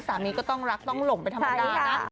สามีก็ต้องรักต้องหลงไปธรรมดานะ